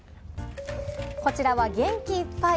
こちらは元気いっぱい！